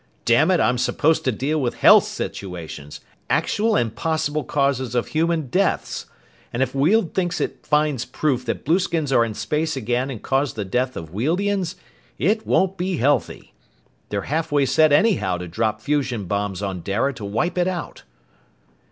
"Dammit, I'm supposed to deal with health situations, actual, and possible causes of human deaths! And if Weald thinks it finds proof that blueskins are in space again and caused the death of Wealdians, it won't be healthy! They're halfway set anyhow to drop fusion bombs on Dara to wipe it out!"